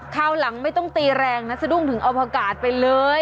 คราวหลังไม่ต้องตีแรงนะสะดุ้งถึงเอาพกาศไปเลย